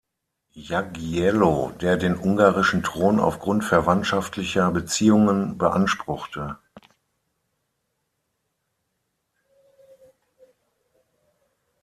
Jagiełło, der den ungarischen Thron aufgrund verwandtschaftlicher Beziehungen beanspruchte.